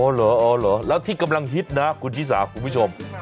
เหรออ๋อเหรอแล้วที่กำลังฮิตนะคุณชิสาคุณผู้ชม